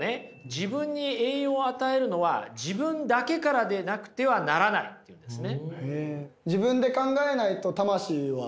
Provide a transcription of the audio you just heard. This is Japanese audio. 自分に栄養を与えるのは自分だけからでなくてはならないって言うんですね。